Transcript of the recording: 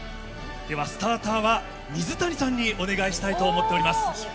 では、スターターは水谷さんにお願いしたいと思っております。